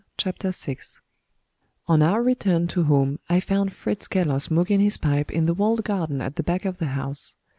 CHAPTER VI On our return to home, I found Fritz Keller smoking his pipe in the walled garden at the back of the house.